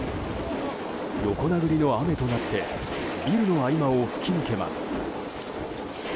横殴りの雨となってビルの合間を吹き抜けます。